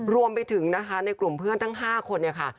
รวมไปถึงนะคะในกลุ่มเพื่อนทั้ง๕คนเนี่ยค่ะ